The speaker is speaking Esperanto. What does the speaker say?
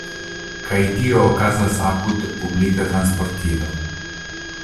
Kaj tio okazas apud publika transportilo.